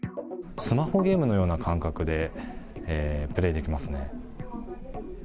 スマホゲームのような感覚でプレーできますね。